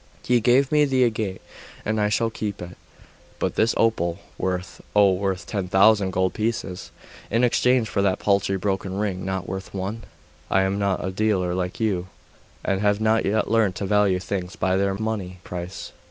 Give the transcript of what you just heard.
'He gave me the agate, and I shall keep it.' 'But this opal worth, oh, worth ten thousand gold pieces in exchange for that paltry broken thing not worth one?' 'I am not a dealer, like you, and have not yet learnt to value things by their money price.